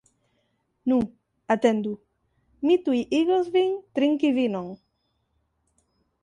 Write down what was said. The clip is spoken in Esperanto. Nu, atendu, mi tuj igos vin trinki vinon!